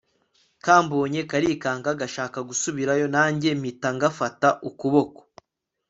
kambonye karikanga gashaka gusubirayo nanjye mpita ngafata ukuboko